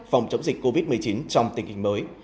phòng chống dịch covid một mươi chín trong tình hình mới